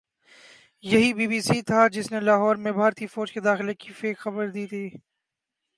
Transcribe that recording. یہی B B C تھا جس نے لاہور میں بھارتی فوج کے داخلے کی فیک خبر دی تھی